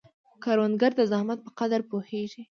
کروندګر د زحمت په قدر پوهیږي